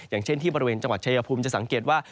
อย่างเช่นที่บริเวณจังหวัดชายภูมิจะสังเกตว่า